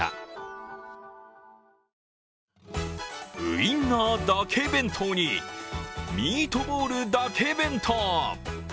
ウインナーだけ弁当にミートボールだけ弁当。